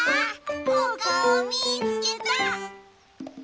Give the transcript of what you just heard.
おかおみつけた！